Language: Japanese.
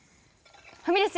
ファミレス